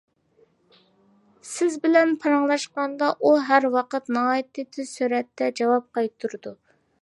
سىز بىلەن پاراڭلاشقاندا ئۇ ھەر ۋاقىت ناھايىتى تېز سۈرەتتە جاۋاب قايتۇرىدۇ.